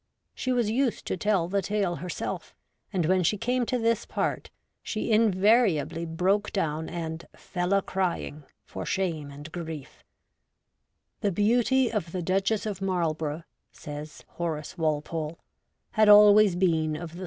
She was used to tell the tale herself, and when she came to this part, she invariably broke down and ' fell a crying ' for shame and grief ' The beauty of the Duchess of Marlborough,' says Horace Walpole, ' had always been of the 84 REVOLTED WOMAN.